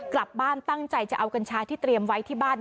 กลับบ้านตั้งใจจะเอากัญชาที่เตรียมไว้ที่บ้าน